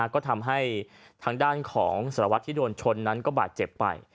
ก็ทำให้ทางด้านของสารวัตรที่โดนชนนั้นก็บาดเจ็บไป